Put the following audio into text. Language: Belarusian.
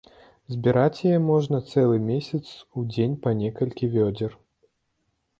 Збіраць яе можна цэлы месяц, у дзень па некалькі вёдзер.